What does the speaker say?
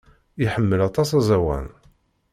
Iḥemmel aṭas aẓawan.